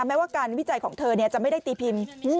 แม้ว่าการวิจัยของเธอจะไม่ได้ตีพิมพ์